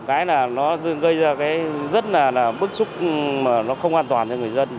cái là nó gây ra cái rất là bức xúc mà nó không an toàn cho người dân